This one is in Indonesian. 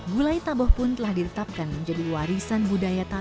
gulai taboh pun telah diletakkan menjadi warisan budaya tabenda